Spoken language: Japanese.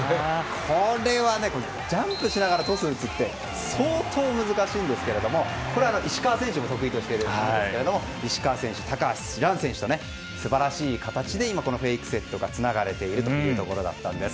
これはジャンプしながらトスを打つって相当難しいんですけど石川選手も得意としていて石川選手、高橋藍選手と素晴らしい形でフェイクセットがつながれているというところです。